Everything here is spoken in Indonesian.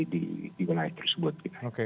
di wilayah tersebut